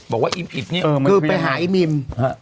บอกว่าอิ่มอิ่มเนี่ยเออคือไปหาอิ่มอิ่มฮะ